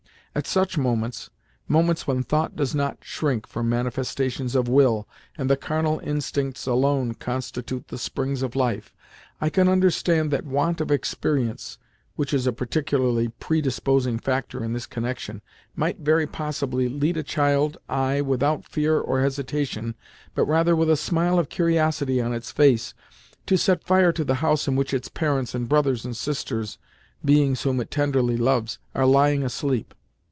At such moments—moments when thought does not shrink from manifestations of will, and the carnal instincts alone constitute the springs of life—I can understand that want of experience (which is a particularly predisposing factor in this connection) might very possibly lead a child, aye, without fear or hesitation, but rather with a smile of curiosity on its face, to set fire to the house in which its parents and brothers and sisters (beings whom it tenderly loves) are lying asleep.